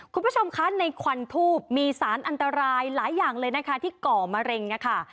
คุณผู้ชมคะในควันทูบมีสารอันตรายหลายอย่างเลยนะคะที่ก่อมะเร็งนะคะ